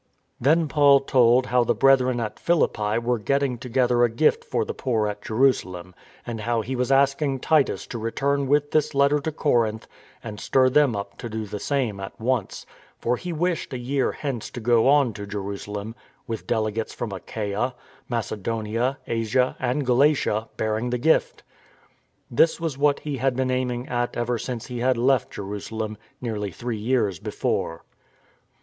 Then Paul told how the Brethren at Philippi were getting together a gift for the poor at Jerusalem, and how he was asking Titus to return with this letter to Corinth and stir them up to do the same at once; for he wished a year hence to go on to Jerusalem with delegates from Achaia, Macedonia, Asia, and Galatia bearing the gift. This was what he had been aiming at ever since he had left Jerusalem, nearly three years before.